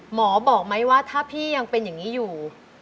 หมอบอกไหมว่าถ้าพี่ยังเป็นอย่างนี้อยู่